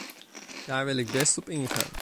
Daar wil ik best op ingaan.